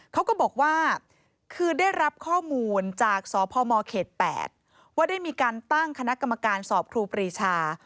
เขาก็บอกว่าคือได้รับข้อมูลจากสพมเขต๘ว่าได้มีการตั้งคณะกรรมการสอบครูปรีชา